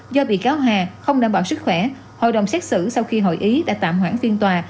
do bị cáo hà không đảm bảo sức khỏe hội đồng xét xử sau khi hội ý đã tạm hoãn phiên tòa